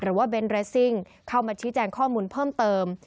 เบนเรสซิ่งเข้ามาชี้แจงข้อมูลเพิ่มเติม